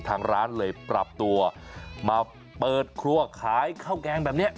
ทางร้านเลยปรับตัวมาเปิดครัวขายข้าวแกงแบบนี้